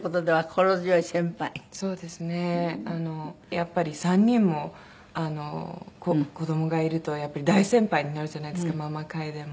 やっぱり３人も子どもがいるとやっぱり大先輩になるじゃないですかママ会でも。